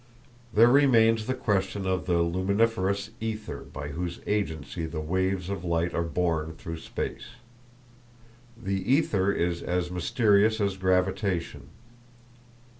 There remains the question of the luminiferous ether by whose agency the waves of light are borne through space. The ether is as mysterious as gravitation.